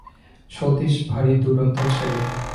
সতীশ ভারি দুরন্ত ছেলে।